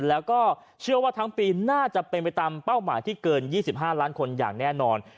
แล้วก็เชื่อว่าทั้งปีน่าจะเป็นไปตามเป้าหมายที่เกิน๒๕ล้านคนอย่างแน่นอน